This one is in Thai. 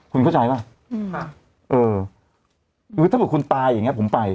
คุณเข้าใจป่ะเออคือถ้าเกิดคุณตายอย่างเงี้ผมไป